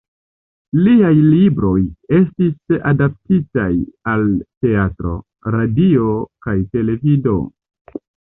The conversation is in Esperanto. Liaj libroj estis adaptitaj al teatro, radio kaj televido.